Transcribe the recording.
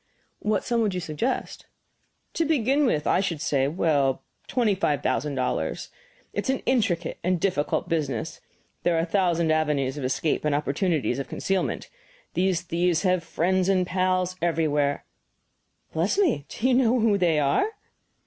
"What sum would you suggest?" "To begin with, I should say well, twenty five thousand dollars. It is an intricate and difficult business; there are a thousand avenues of escape and opportunities of concealment. These thieves have friends and pals everywhere " "Bless me, do you know who they are?"